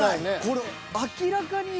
これ明らかに。